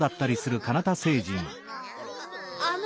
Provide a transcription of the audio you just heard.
あの。